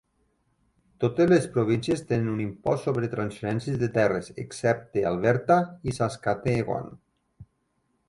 Totes les províncies tenen un impost sobre transferències de terres, excepte Alberta i Saskatchewan.